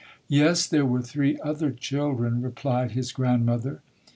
"Yes, there were three other children", replied his grandmother.